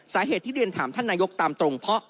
สาเหตุที่เรียนถามท่านนายกตามตรงเพราะ